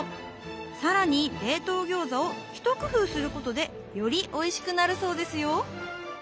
更に冷凍餃子を一工夫することでよりおいしくなるそうですよ。